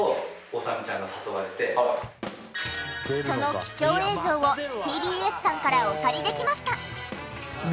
その貴重映像をＴＢＳさんからお借りできました。